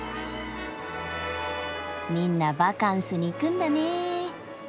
みんなバカンスに行くんだね！